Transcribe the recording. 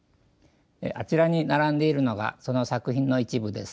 あちらに並んでいるのがその作品の一部です。